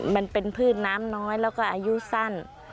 มันเป็นพืชน้ำน้อยแล้วก็อายุสั้น